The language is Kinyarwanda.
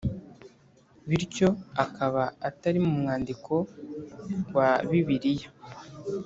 , bityo akaba atari mu mwandiko wa Bibiliya